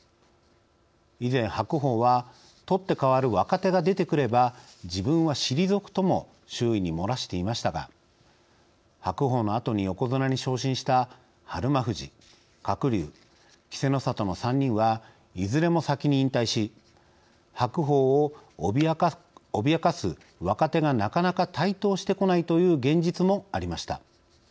以前、白鵬は「取って変わる若手が出てくれば自分は退く」とも周囲に漏らしていましたが白鵬のあとに横綱に昇進した日馬富士、鶴竜、稀勢の里の３人はいずれも先に引退し白鵬を脅かす若手がなかなか台頭してこないという現実もありました。